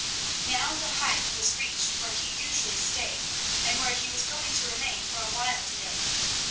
Now the height was reached where he usually stayed, and where he was going to remain for a while to day.